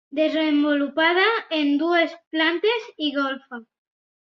Desenvolupada en dues plantes i golfa.